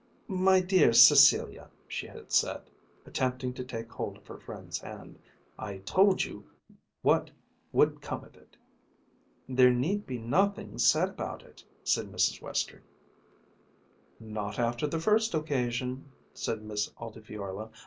"My dear Cecilia," she had said, attempting to take hold of her friend's hand, "I told you what would come of it." "There need be nothing said about it," said Mrs. Western. "Not after the first occasion," said Miss Altifiorla.